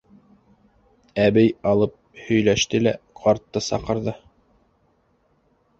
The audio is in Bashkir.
Әбей алып һөйләште лә ҡартты саҡырҙы.